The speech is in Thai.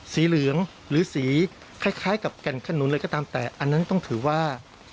สีเหลืองหรือสีคล้ายกับแก่นขนุนเลยก็ตามแต่อันนั้นต้องถือว่า